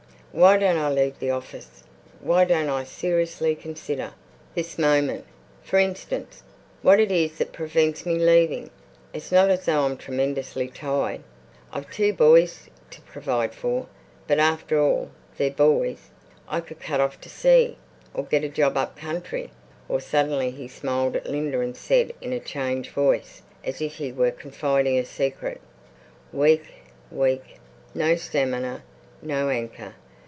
Why don't I leave the office? Why don't I seriously consider, this moment, for instance, what it is that prevents me leaving? It's not as though I'm tremendously tied. I've two boys to provide for, but, after all, they're boys. I could cut off to sea, or get a job up country, or—" Suddenly he smiled at Linda and said in a changed voice, as if he were confiding a secret, "Weak... weak. No stamina. No anchor.